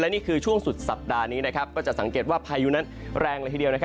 นี่คือช่วงสุดสัปดาห์นี้ก็จะสังเกตว่าพายุนั้นแรงเลยทีเดียว